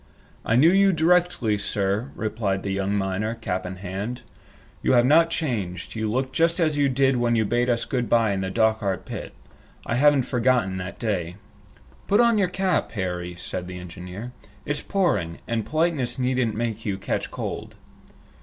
"I knew you directly, sir," replied the young miner, cap in hand. "You have not changed. You look just as you did when you bade us good by in the Dochart pit. I haven't forgotten that day." "Put on your cap, Harry," said the engineer. "It's pouring, and politeness needn't make you catch cold."